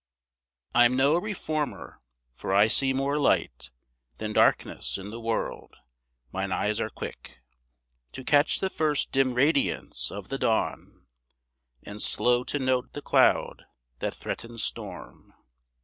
I'm no reformer; for I see more light Than darkness in the world; mine eyes are quick To catch the first dim radiance of the dawn, And slow to note the cloud that threatens storm.